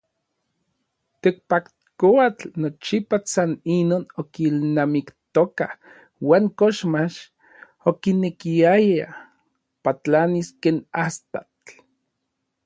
Tekpatkoatl nochipa san inon okilnamiktoka uan koxmach okinekiaya patlanis ken astatl.